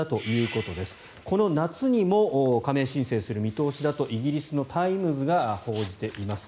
この夏にも加盟申請する見通しだとイギリスのタイムズが報じています。